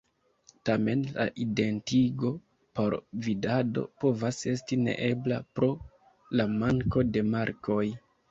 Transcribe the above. Tamen, la identigo per vidado povas esti neebla pro la manko de markoj.